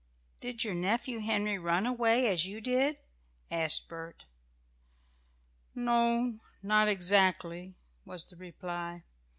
"Did your nephew Henry run away, as you did?" asked Bert. "No not exactly," was the reply.